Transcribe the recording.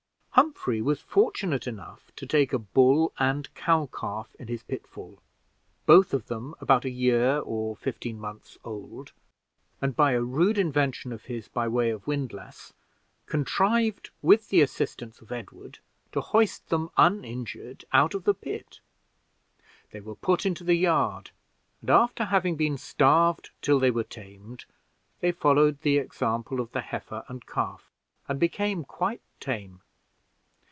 Humphrey was fortunate enough to take a bull and a cow calf in his pitfall, both of them about a year or fifteen months old, and by a rude invention of his, by way of windlass, contrived, with the assistance of Edward, to hoist them uninjured out of the pit. They were put into the yard, and after having been starved till they were tamed, they followed the example of the heifer and calf, and became quite tame.